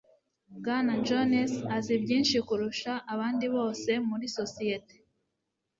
Bwana Jones azi byinshi kurusha abandi bose muri sosiyete